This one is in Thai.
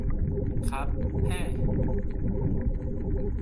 ครับ เฮ่อ